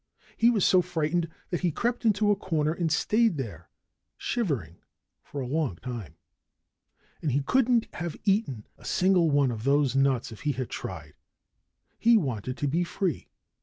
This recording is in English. He was so frightened that he crept into a corner and stayed there, shivering, for a long time. And he couldn't have eaten a single one of those nuts if he had tried. He wanted to be free.